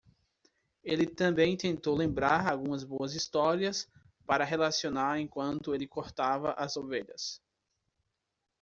Ele também tentou lembrar algumas boas histórias para relacionar enquanto ele cortava as ovelhas.